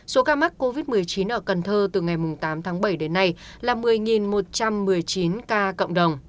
số ca mắc covid một mươi chín ở cần thơ từ ngày tám tháng bảy đến nay là một mươi một trăm một mươi chín ca cộng đồng